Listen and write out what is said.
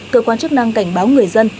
cơ quan chức năng cảnh báo người dân